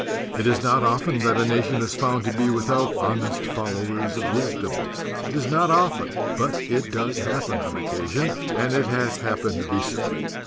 It is not often that a nation is found to be without "hon est followers of wisdom." It is not often but it does happen on occasion; and it has happened recently.